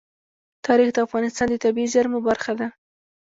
تاریخ د افغانستان د طبیعي زیرمو برخه ده.